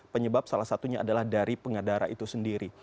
penyebab salah satunya adalah dari pengadara itu sendiri